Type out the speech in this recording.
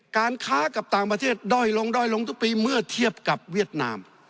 การค้ากับต่างประเทศด้อยลงด้อยลงทุกปีเมื่อเทียบกับเวียดนาม